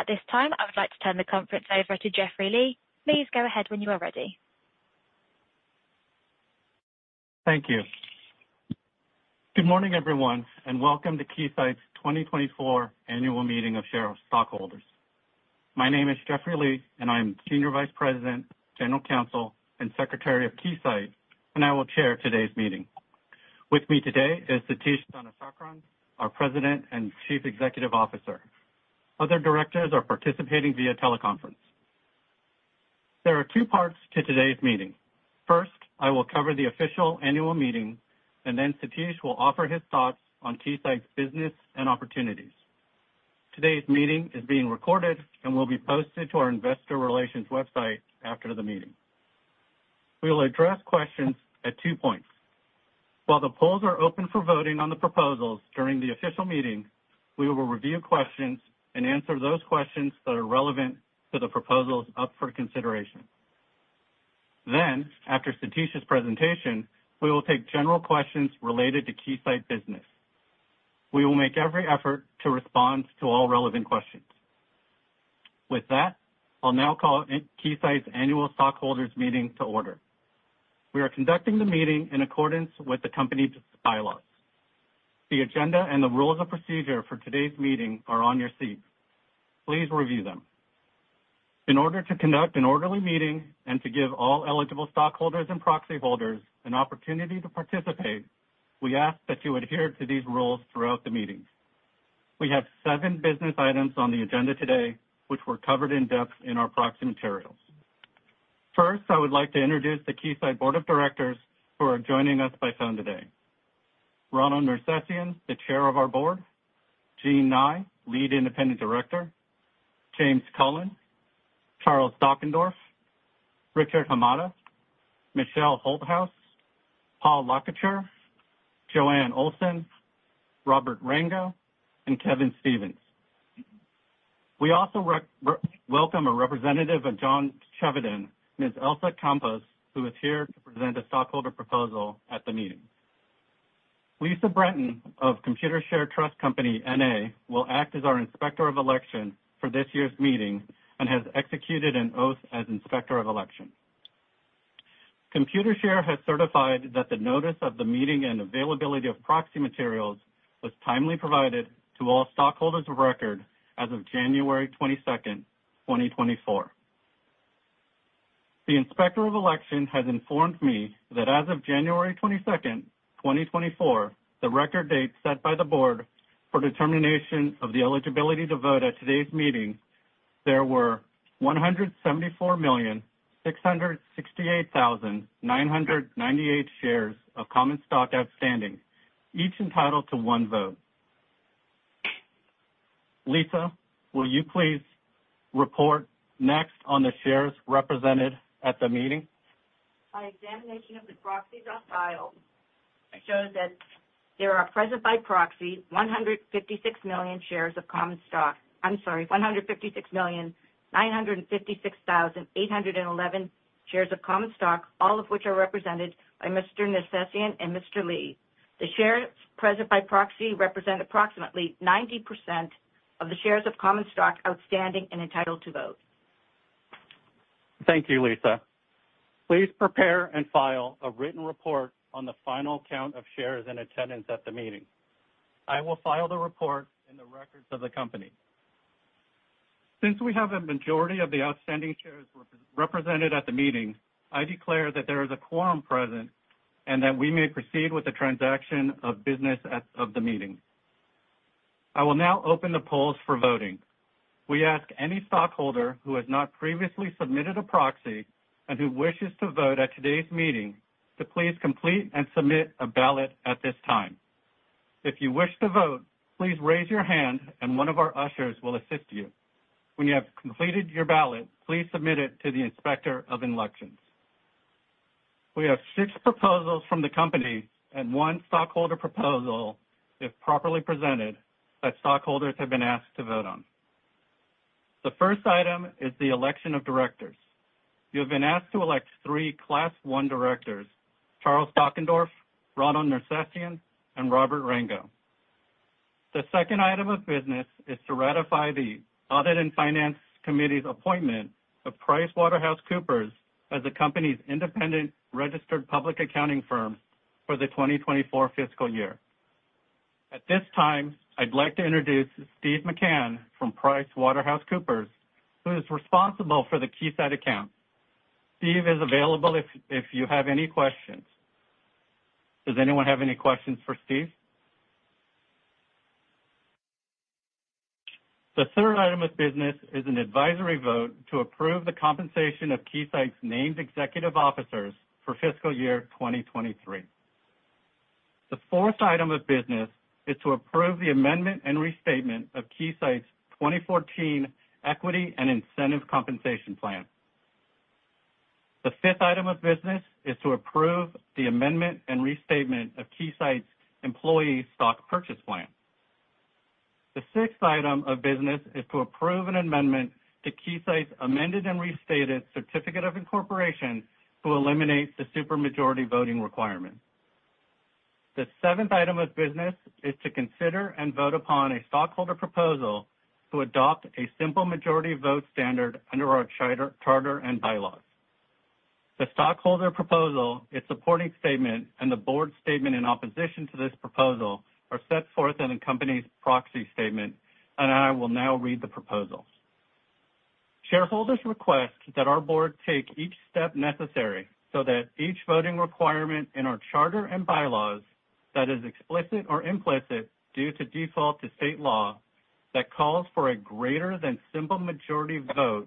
At this time, I would like to turn the conference over to Jeffrey Li. Please go ahead when you are ready. Thank you. Good morning, everyone, and welcome to Keysight's 2024 Annual Meeting of Shareholders Stockholders. My name is Jeffrey Li, and I'm Senior Vice President, General Counsel, and Secretary of Keysight, and I will chair today's meeting. With me today is Satish Dhanasekaran, our President and Chief Executive Officer. Other directors are participating via teleconference. There are two parts to today's meeting. First, I will cover the official annual meeting, and then Satish will offer his thoughts on Keysight's business and opportunities. Today's meeting is being recorded and will be posted to our investor relations website after the meeting. We will address questions at two points. While the polls are open for voting on the proposals during the official meeting, we will review questions and answer those questions that are relevant to the proposals up for consideration. Then, after Satish's presentation, we will take general questions related to Keysight business. We will make every effort to respond to all relevant questions. With that, I'll now call Keysight's annual stockholders meeting to order. We are conducting the meeting in accordance with the company's bylaws. The agenda and the rules of procedure for today's meeting are on your seat. Please review them. In order to conduct an orderly meeting and to give all eligible stockholders and proxy holders an opportunity to participate, we ask that you adhere to these rules throughout the meeting. We have seven business items on the agenda today, which were covered in depth in our proxy materials. First, I would like to introduce the Keysight Board of Directors who are joining us by phone today. Ronald Nersesian, the Chair of our board, joined by, Lead Independent Director, James Cullen, Charles Dockendorff, Richard Hamada, Michelle Holthaus, Paul Lacouture, Joanne Olsen, Robert Rango, and Kevin Stephens. We also re-welcome a representative of John Chevedden, Ms. Elsa Campos, who is here to present a stockholder proposal at the meeting. Lisa Brenton of Computershare Trust Company, N.A., will act as our Inspector of Election for this year's meeting and has executed an oath as Inspector of Election. Computershare has certified that the notice of the meeting and availability of proxy materials was timely provided to all stockholders of record as of January 22, 2024. The Inspector of Election has informed me that as of January 22, 2024, the record date set by the board for determination of the eligibility to vote at today's meeting, there were 174,668,998 shares of common stock outstanding, each entitled to one vote. Lisa, will you please report next on the shares represented at the meeting? My examination of the proxies on file shows that there are present by proxy 156 million shares of common stock... I'm sorry, 156,956,811 shares of common stock, all of which are represented by Mr. Nersesian and Mr. Li. The shares present by proxy represent approximately 90% of the shares of common stock outstanding and entitled to vote. Thank you, Lisa. Please prepare and file a written report on the final count of shares in attendance at the meeting. I will file the report in the records of the company. Since we have a majority of the outstanding shares represented at the meeting, I declare that there is a quorum present and that we may proceed with the transaction of business at the meeting. I will now open the polls for voting. We ask any stockholder who has not previously submitted a proxy and who wishes to vote at today's meeting, to please complete and submit a ballot at this time. If you wish to vote, please raise your hand, and one of our ushers will assist you. When you have completed your ballot, please submit it to the Inspector of Elections. We have six proposals from the company and one stockholder proposal, if properly presented, that stockholders have been asked to vote on. The first item is the election of directors. You have been asked to elect three Class I directors: Charles Dockendorff, Ronald Nersesian, and Robert Rango. The second item of business is to ratify the Audit and Finance Committee's appointment of PricewaterhouseCoopers as the company's independent registered public accounting firm for the 2024 fiscal year. At this time, I'd like to introduce Steve McCann from PricewaterhouseCoopers, who is responsible for the Keysight account. Steve is available if you have any questions. Does anyone have any questions for Steve? The third item of business is an advisory vote to approve the compensation of Keysight's named executive officers for fiscal year 2023. The fourth item of business is to approve the amendment and restatement of Keysight's 2014 Equity and Incentive Compensation Plan. The fifth item of business is to approve the amendment and restatement of Keysight's Employee Stock Purchase Plan. The sixth item of business is to approve an amendment to Keysight's amended and restated certificate of incorporation to eliminate the supermajority voting requirement.... The seventh item of business is to consider and vote upon a stockholder proposal to adopt a simple majority vote standard under our charter, charter and bylaws. The stockholder proposal, its supporting statement, and the board's statement in opposition to this proposal are set forth in the company's proxy statement, and I will now read the proposal. Shareholders request that our board take each step necessary so that each voting requirement in our charter and bylaws that is explicit or implicit due to default to state law, that calls for a greater than simple majority vote,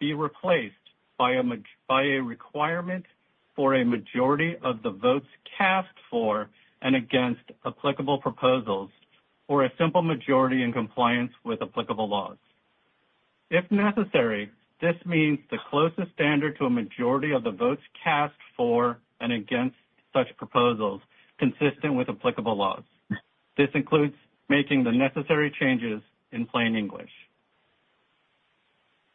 be replaced by a requirement for a majority of the votes cast for and against applicable proposals or a simple majority in compliance with applicable laws. If necessary, this means the closest standard to a majority of the votes cast for and against such proposals consistent with applicable laws. This includes making the necessary changes in plain English.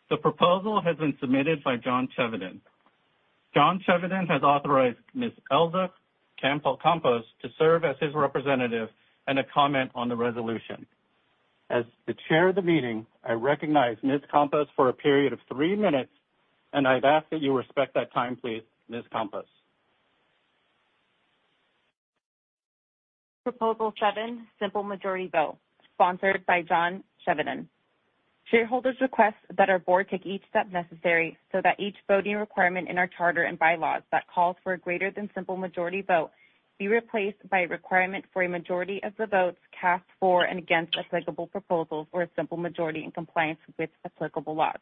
The proposal has been submitted by John Chevedden. John Chevedden has authorized Ms. Elsa Campos to serve as his representative and to comment on the resolution. As the chair of the meeting, I recognize Ms. Campos for a period of 3 minutes, and I'd ask that you respect that time, please, Ms. Campos. Proposal seven: Simple majority vote, sponsored by John Chevedden. Shareholders request that our board take each step necessary so that each voting requirement in our charter and bylaws that calls for a greater than simple majority vote be replaced by a requirement for a majority of the votes cast for and against applicable proposals or a simple majority in compliance with applicable laws.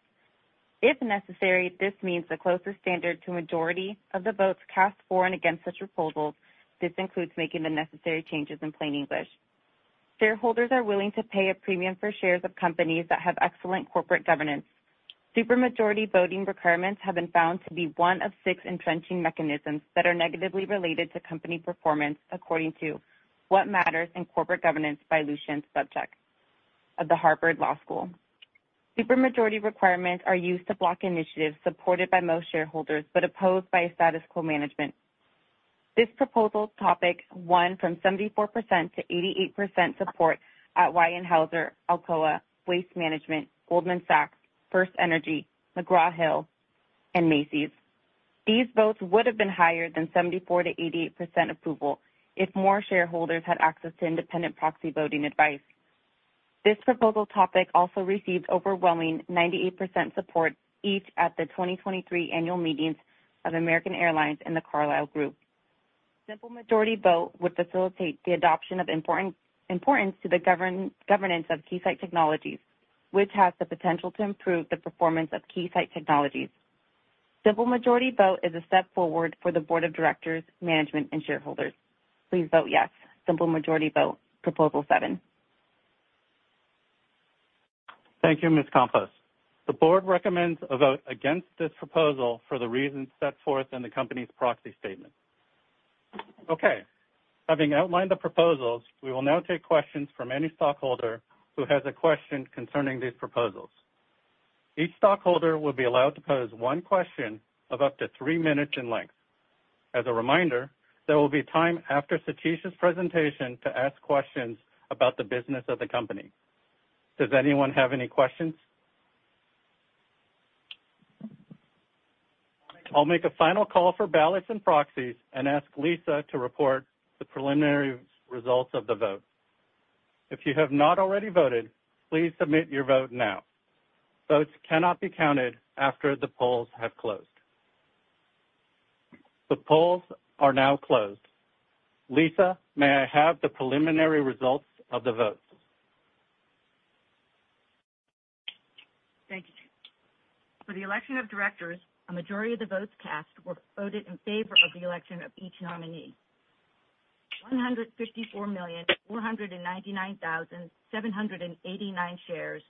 If necessary, this means the closest standard to a majority of the votes cast for and against such proposals. This includes making the necessary changes in plain English. Shareholders are willing to pay a premium for shares of companies that have excellent corporate governance. Supermajority voting requirements have been found to be one of six entrenching mechanisms that are negatively related to company performance, according to What Matters in Corporate Governance by Lucian Bebchuk of the Harvard Law School. Supermajority requirements are used to block initiatives supported by most shareholders but opposed by status quo management. This proposal topic won 74%-88% support at Weyerhaeuser, Alcoa, Waste Management, Goldman Sachs, FirstEnergy, McGraw Hill, and Macy's. These votes would have been higher than 74%-88% approval if more shareholders had access to independent proxy voting advice. This proposal topic also received overwhelming 98% support each at the 2023 annual meetings of American Airlines and The Carlyle Group. Simple majority vote would facilitate the adoption of importance to the governance of Keysight Technologies, which has the potential to improve the performance of Keysight Technologies. Simple majority vote is a step forward for the board of directors, management, and shareholders. Please vote yes. Simple majority vote, Proposal Seven. Thank you, Ms. Campos. The board recommends a vote against this proposal for the reasons set forth in the company's proxy statement. Okay, having outlined the proposals, we will now take questions from any stockholder who has a question concerning these proposals. Each stockholder will be allowed to pose one question of up to three minutes in length. As a reminder, there will be time after Satish's presentation to ask questions about the business of the company. Does anyone have any questions? I'll make a final call for ballots and proxies and ask Lisa to report the preliminary results of the vote. If you have not already voted, please submit your vote now. Votes cannot be counted after the polls have closed. The polls are now closed. Lisa, may I have the preliminary results of the votes? Thank you. For the election of directors, a majority of the votes cast were voted in favor of the election of each nominee. 154,499,789 shares,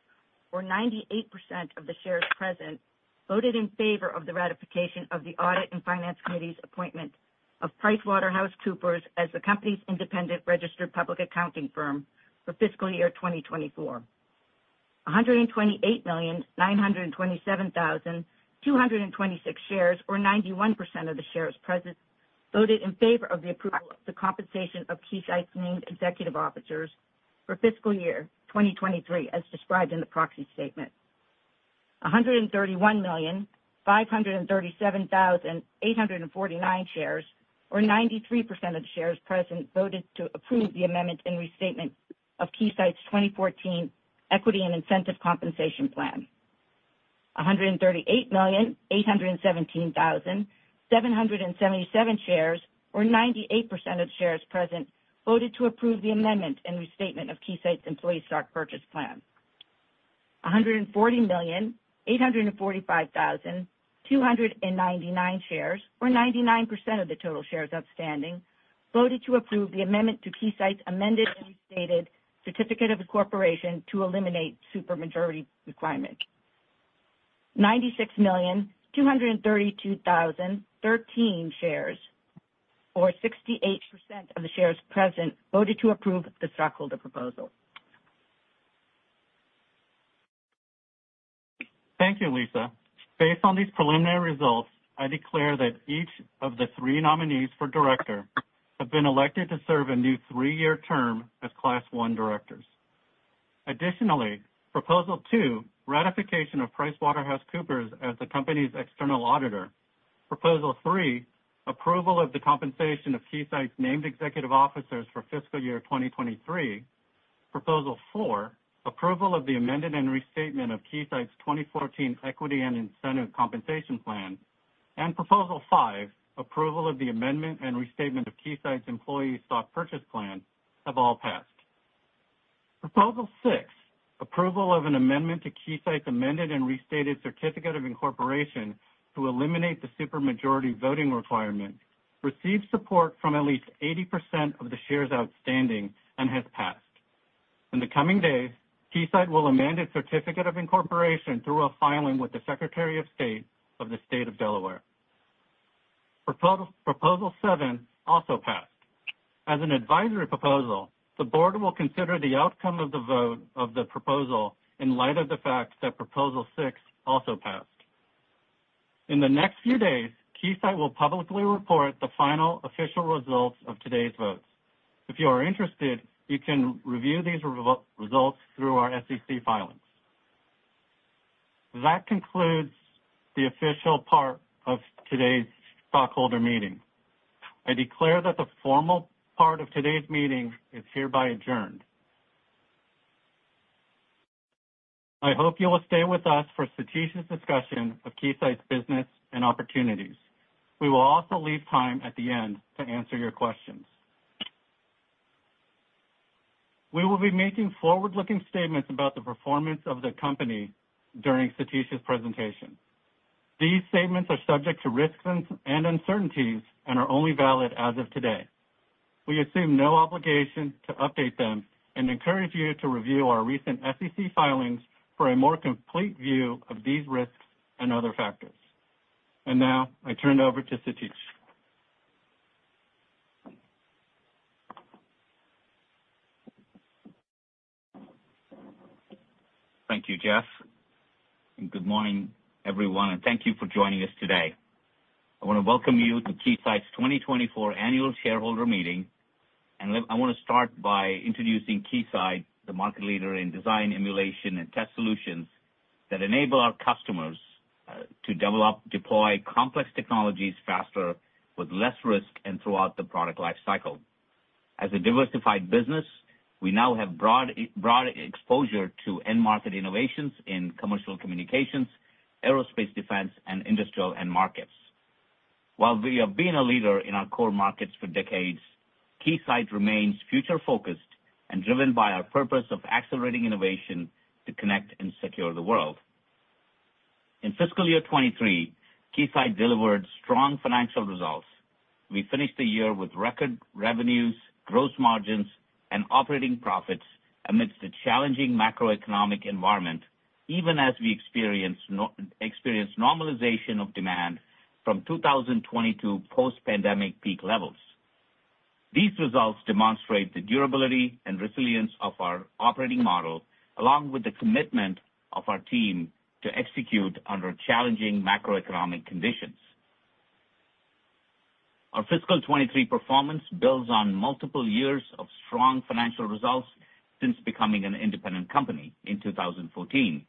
or 98% of the shares present, voted in favor of the ratification of the Audit and Finance Committee's appointment of PricewaterhouseCoopers as the company's independent registered public accounting firm for fiscal year 2024. 128,927,226 shares, or 91% of the shares present, voted in favor of the approval of the compensation of Keysight's named executive officers for fiscal year 2023, as described in the proxy statement. 131,537,849 shares, or 93% of the shares present, voted to approve the amendment and restatement of Keysight's 2014 Equity and Incentive Compensation Plan. 138,817,777 shares, or 98% of the shares present, voted to approve the amendment and restatement of Keysight's Employee Stock Purchase Plan. 140,845,299 shares, or 99% of the total shares outstanding, voted to approve the amendment to Keysight's amended and restated Certificate of Incorporation to eliminate supermajority requirement. 96,232,013 shares, or 68% of the shares present, voted to approve the stockholder proposal.... Thank you, Lisa. Based on these preliminary results, I declare that each of the 3 nominees for director have been elected to serve a new 3-year term as Class One directors. Additionally, Proposal 2, ratification of PricewaterhouseCoopers as the company's external auditor. Proposal 3, approval of the compensation of Keysight's named executive officers for fiscal year 2023. Proposal 4, approval of the amended and restatement of Keysight's 2014 equity and incentive compensation plan. And Proposal 5, approval of the amendment and restatement of Keysight's employee stock purchase plan, have all passed. Proposal 6, approval of an amendment to Keysight's amended and restated certificate of incorporation to eliminate the supermajority voting requirement, received support from at least 80% of the shares outstanding and has passed. In the coming days, Keysight will amend its certificate of incorporation through a filing with the Secretary of State of the State of Delaware. Proposal seven also passed. As an advisory proposal, the board will consider the outcome of the vote of the proposal in light of the fact that Proposal six also passed. In the next few days, Keysight will publicly report the final official results of today's votes. If you are interested, you can review these results through our SEC filings. That concludes the official part of today's stockholder meeting. I declare that the formal part of today's meeting is hereby adjourned. I hope you will stay with us for Satish's discussion of Keysight's business and opportunities. We will also leave time at the end to answer your questions. We will be making forward-looking statements about the performance of the company during Satish's presentation. These statements are subject to risks and uncertainties and are only valid as of today. We assume no obligation to update them and encourage you to review our recent SEC filings for a more complete view of these risks and other factors. And now, I turn it over to Satish. Thank you, Jeff, and good morning, everyone, and thank you for joining us today. I want to welcome you to Keysight's 2024 Annual Shareholder Meeting. I want to start by introducing Keysight, the market leader in design, emulation, and test solutions that enable our customers to develop, deploy complex technologies faster, with less risk, and throughout the product life cycle. As a diversified business, we now have broad, broad exposure to end-market innovations in commercial communications, aerospace, defense, and industrial end markets. While we have been a leader in our core markets for decades, Keysight remains future-focused and driven by our purpose of accelerating innovation to connect and secure the world. In fiscal year 2023, Keysight delivered strong financial results. We finished the year with record revenues, gross margins, and operating profits amidst a challenging macroeconomic environment, even as we experienced normalization of demand from 2022 post-pandemic peak levels. These results demonstrate the durability and resilience of our operating model, along with the commitment of our team to execute under challenging macroeconomic conditions. Our fiscal 2023 performance builds on multiple years of strong financial results since becoming an independent company in 2014.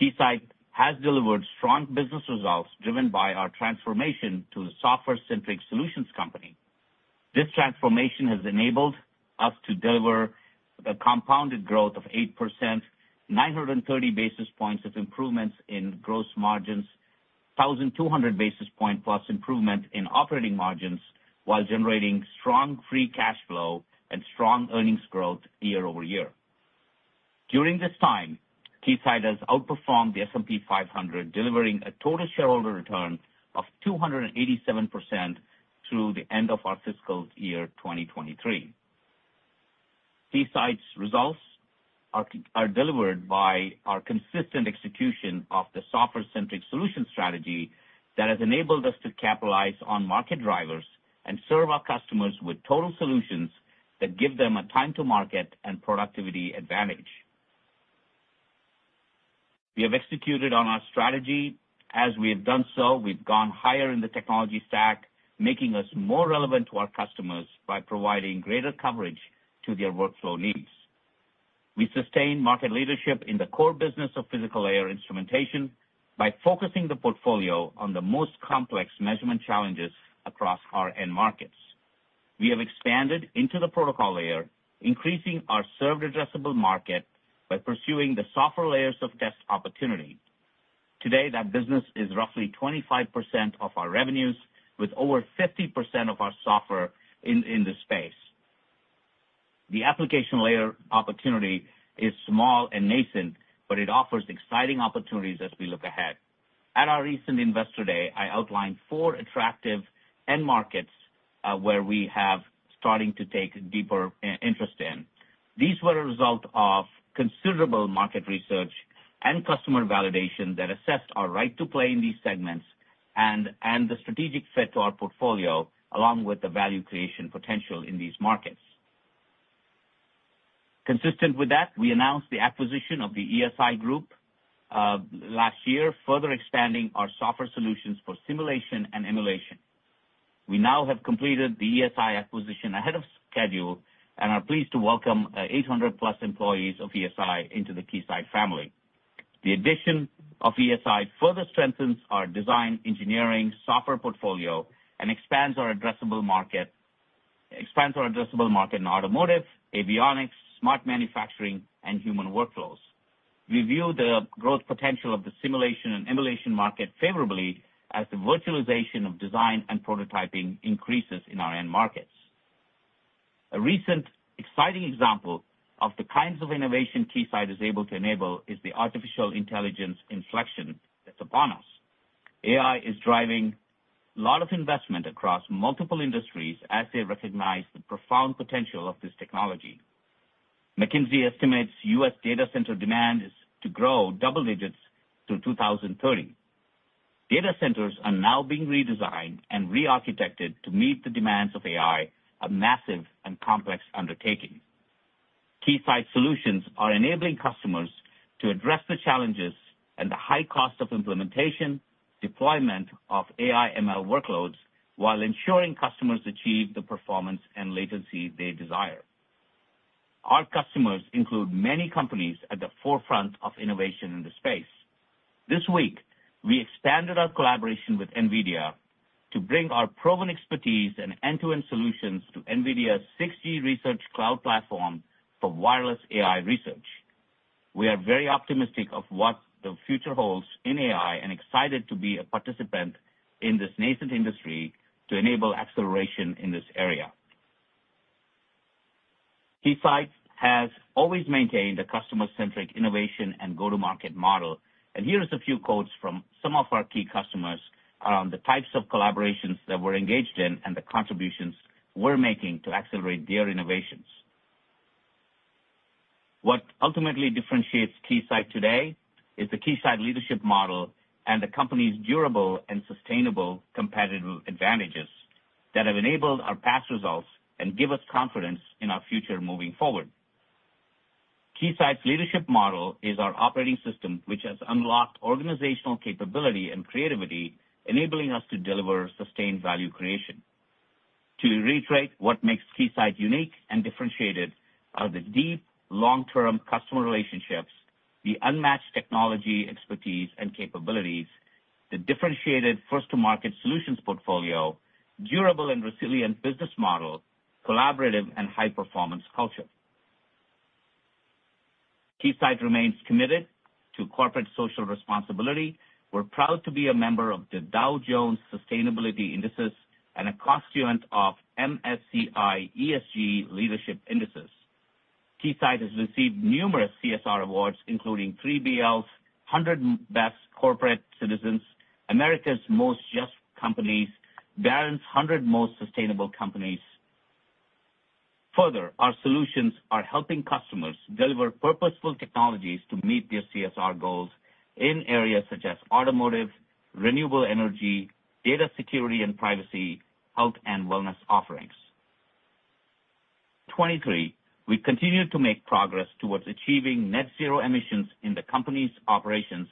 Keysight has delivered strong business results, driven by our transformation to a software-centric solutions company. This transformation has enabled us to deliver a compounded growth of 8%, 930 basis points of improvements in gross margins, 1,200 basis point+ improvement in operating margins, while generating strong free cash flow and strong earnings growth year-over-year. During this time, Keysight has outperformed the S&P 500, delivering a total shareholder return of 287% through the end of our fiscal year 2023. Keysight's results are delivered by our consistent execution of the software-centric solution strategy that has enabled us to capitalize on market drivers and serve our customers with total solutions that give them a time to market and productivity advantage. We have executed on our strategy. As we have done so, we've gone higher in the technology stack, making us more relevant to our customers by providing greater coverage to their workflow needs. We sustained market leadership in the core business of physical layer instrumentation by focusing the portfolio on the most complex measurement challenges across our end markets. We have expanded into the protocol layer, increasing our served addressable market by pursuing the software layers of test opportunity. Today, that business is roughly 25% of our revenues, with over 50% of our software in the space. The application layer opportunity is small and nascent, but it offers exciting opportunities as we look ahead. At our recent Investor Day, I outlined four attractive end markets where we have starting to take deeper interest in. These were a result of considerable market research and customer validation that assessed our right to play in these segments and the strategic fit to our portfolio, along with the value creation potential in these markets. Consistent with that, we announced the acquisition of the ESI Group last year, further expanding our software solutions for simulation and emulation. We now have completed the ESI acquisition ahead of schedule and are pleased to welcome 800+ employees of ESI into the Keysight family. The addition of ESI further strengthens our design engineering software portfolio and expands our addressable market, expands our addressable market in automotive, avionics, smart manufacturing, and human workflows. We view the growth potential of the simulation and emulation market favorably as the virtualization of design and prototyping increases in our end markets. A recent exciting example of the kinds of innovation Keysight is able to enable is the artificial intelligence inflection that's upon us. AI is driving a lot of investment across multiple industries as they recognize the profound potential of this technology. McKinsey estimates U.S. data center demand is to grow double digits through 2030. Data centers are now being redesigned and rearchitected to meet the demands of AI, a massive and complex undertaking. Keysight solutions are enabling customers to address the challenges and the high cost of implementation, deployment of AI ML workloads, while ensuring customers achieve the performance and latency they desire. Our customers include many companies at the forefront of innovation in the space. This week, we expanded our collaboration with NVIDIA to bring our proven expertise and end-to-end solutions to NVIDIA's 6G research cloud platform for wireless AI research. We are very optimistic of what the future holds in AI and excited to be a participant in this nascent industry to enable acceleration in this area. Keysight has always maintained a customer-centric innovation and go-to-market model, and here is a few quotes from some of our key customers around the types of collaborations that we're engaged in and the contributions we're making to accelerate their innovations. What ultimately differentiates Keysight today is the Keysight leadership model and the company's durable and sustainable competitive advantages that have enabled our past results and give us confidence in our future moving forward. Keysight's leadership model is our operating system, which has unlocked organizational capability and creativity, enabling us to deliver sustained value creation. To reiterate, what makes Keysight unique and differentiated are the deep, long-term customer relationships, the unmatched technology, expertise, and capabilities, the differentiated first-to-market solutions portfolio, durable and resilient business model, collaborative and high-performance culture. Keysight remains committed to corporate social responsibility. We're proud to be a member of the Dow Jones Sustainability Indices and a constituent of MSCI ESG Leaders Indexes. Keysight has received numerous CSR awards, including 3BL's, 100 Best Corporate Citizens, America's Most Just Companies, Barron's 100 Most Sustainable Companies. Further, our solutions are helping customers deliver purposeful technologies to meet their CSR goals in areas such as automotive, renewable energy, data security and privacy, health and wellness offerings. 2023, we continued to make progress towards achieving Net Zero Emissions in the company's operations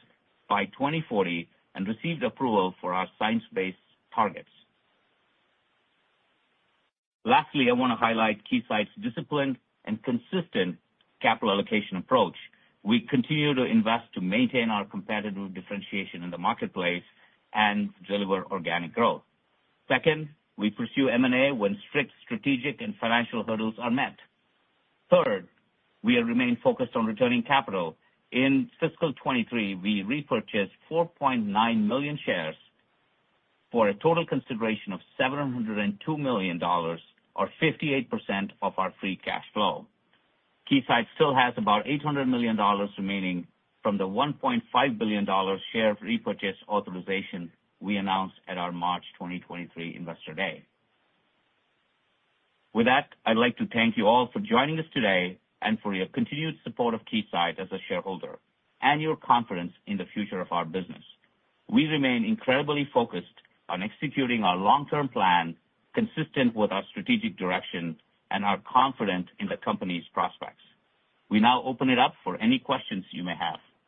by 2040 and received approval for our Science-Based Targets. Lastly, I wanna highlight Keysight's disciplined and consistent capital allocation approach. We continue to invest to maintain our competitive differentiation in the marketplace and deliver organic growth. Second, we pursue M&A when strict strategic and financial hurdles are met. Third, we have remained focused on returning capital. In fiscal 2023, we repurchased 4.9 million shares for a total consideration of $702 million, or 58% of our free cash flow. Keysight still has about $800 million remaining from the $1.5 billion share repurchase authorization we announced at our March 2023 Investor Day. With that, I'd like to thank you all for joining us today and for your continued support of Keysight as a shareholder, and your confidence in the future of our business. We remain incredibly focused on executing our long-term plan consistent with our strategic direction and are confident in the company's prospects. We now open it up for any questions you may have.